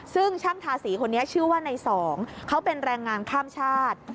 ซึ่งช่างทาสีคนนี้ชื่อว่าในสองเขาเป็นแรงงานข้ามชาติ